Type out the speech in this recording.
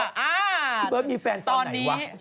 พี่เบิร์ตมีแฟนตอนไหนวะ